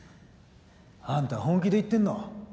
あんた本気で言ってんの？